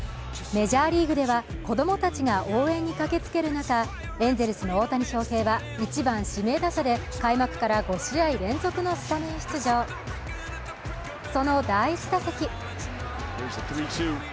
メジャーリーグでは子供たちが応援に駆けつける中、エンゼルスの大谷翔平は１番・指名打者で開幕から５試合連続のスタメン出場その第１打席。